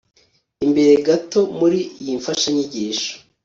imbere gato muri iyi mfashanyigisho